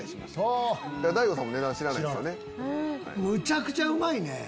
むちゃくちゃうまいね。